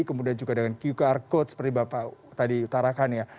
kemudian juga dengan qr code seperti bapak tadi utarakan ya